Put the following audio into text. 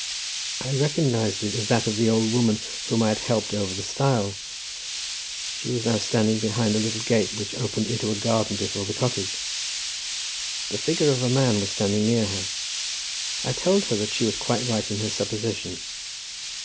I recognised it as that of the old woman whom I had helped over the stile. She was now standing behind a little gate, which opened into a garden before the cottage. The figure of a man was standing near her. I told her that she was quite right in her supposition.